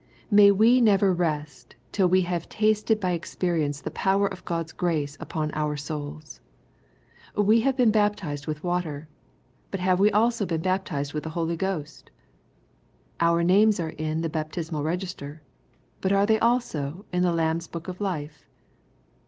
May we never rest till we have tasted by experience the power of Christ's grace upon our souls 1 We have been baptized with water. But have we also been bap tized with the Holy Ghost ?— Our names are in the baptismal register. But are they also in the LamVs book of life